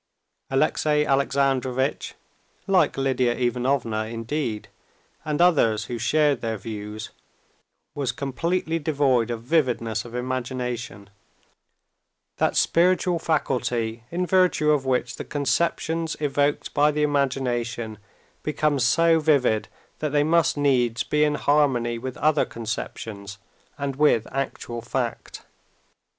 Alexey Alexandrovitch, like Lidia Ivanovna indeed, and others who shared their views, was completely devoid of vividness of imagination, that spiritual faculty in virtue of which the conceptions evoked by the imagination become so vivid that they must needs be in harmony with other conceptions, and with actual fact.